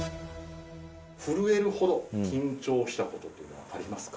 震えるほど緊張したことっていうのはありますか？